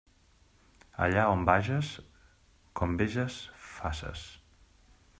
Allà on vages, com veges faces.